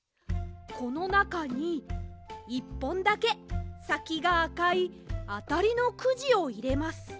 このなかに１ぽんだけさきがあかいあたりのくじをいれます。